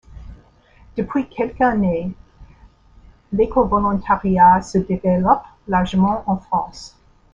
Depuis quelques années, l'écovolontariat se développe largement en France.